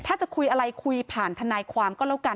ถ้าจะคุยอะไรคุยผ่านทนายความก็แล้วกัน